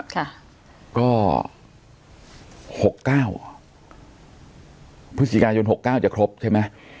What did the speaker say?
ค่ะก็หกเก้าพฤศจิกายนหกเก้าจะครบใช่ไหม